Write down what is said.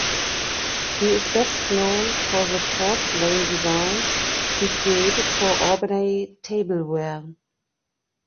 He is best known for the porcelain designs he created for "Obernai" tableware.